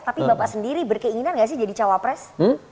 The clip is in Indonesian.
tapi bapak sendiri berkeinginan nggak sih jadi cawapres